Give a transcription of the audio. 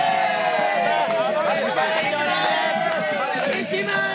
いきまーす。